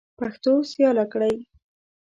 پښتو سیاله کړئ.